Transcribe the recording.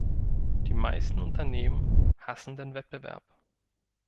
Die meisten Unternehmen hassen den Wettbewerb.